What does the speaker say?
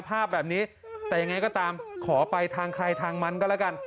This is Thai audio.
ภาพแบบนี้แต่ยังไงก็ตามขอไปทางใครทางมันก็แล้วกัน